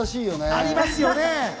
ありますよね。